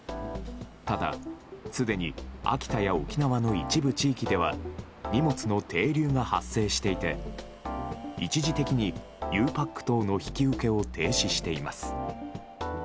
ただ、すでに秋田や沖縄の一部地域では荷物の停留が発生していて一時的に、ゆうパック等の引き受けを停止しています。